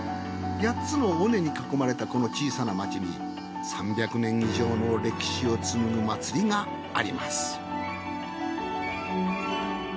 八つの尾根に囲まれたこの小さな町に３００年以上の歴史を紡ぐ祭りがあります。